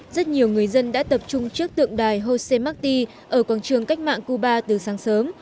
rất nhiều người dân đã tập trung trước tượng đài hose marti ở quảng trường cách mạng cuba từ sáng sớm